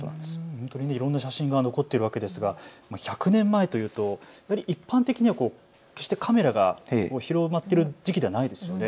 本当にいろんな写真が残っているわけなんですが１００年前というと一般的には決してカメラが広まっている時期ではないですよね。